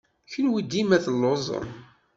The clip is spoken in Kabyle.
Kenwi dima telluẓem!